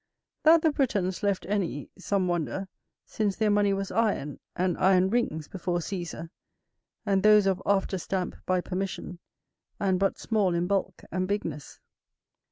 That the Britons left any, some wonder, since their money was iron and iron rings before Cæsar; and those of after stamp by permission, and but small in bulk and bigness.